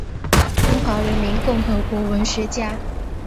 中华人民共和国文学家。